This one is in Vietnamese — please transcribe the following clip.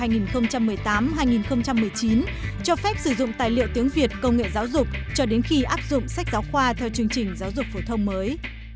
năm hai nghìn một mươi chín cho phép sử dụng tài liệu tiếng việt công nghệ giáo dục cho đến khi áp dụng sách giáo khoa theo chương trình giáo dục phổ thông mới